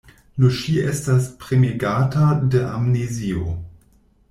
Nur ŝi estas premegata de amnezio.